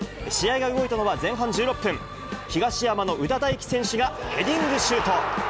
試合が動いたのは前半１６分、東山の夘田大揮選手が、ヘディングシュート。